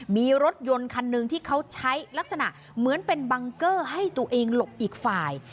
มีรถยนต์คันหนึ่งที่เขาใช้ลักษณะเหมือนเป็นบังเกอร์ให้ตัวเองหลบอีกฝ่าย